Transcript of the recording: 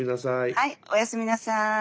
はいおやすみなさい。